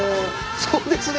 そうですね。